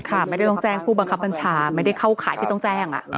ค่ะไม่ได้ต้องแจ้งผู้บังกับการณ์ชาติไม่ได้เข้าข่ายที่ต้องแจ้งอ่ะ